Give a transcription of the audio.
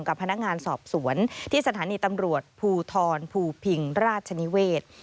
กับพนักงานสอบสวนที่สถานีตำรวจภูทรภูพิงราชนิเวศ